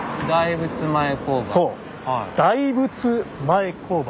大仏前交番。